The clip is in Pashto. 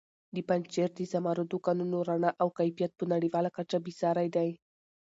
د پنجشېر د زمردو کانونو رڼا او کیفیت په نړیواله کچه بې ساري دی.